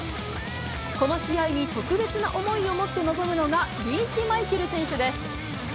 この試合に特別な思いを持って臨むのがリーチマイケル選手です。